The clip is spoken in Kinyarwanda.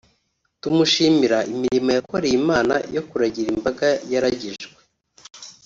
tumushimira imirimo yakoreye imana yo kuragira imbaga yaragijwe